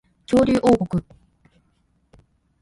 恐竜王国